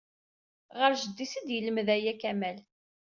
Ɣer jeddi-s i d-yelmed aya Kamal.